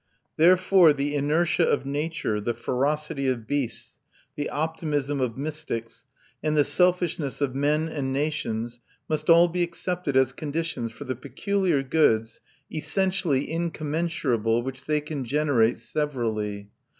Therefore the inertia of nature, the ferocity of beasts, the optimism of mystics, and the selfishness of men and nations must all be accepted as conditions for the peculiar goods, essentially incommensurable, which they can generate severally.